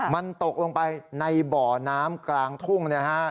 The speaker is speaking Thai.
มันตกลงไปในบ่อน้ำกลางทุ่ง